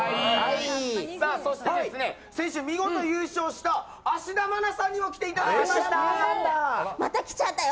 そして、先週見事優勝した芦田愛菜さんにもまた来ちゃったよ！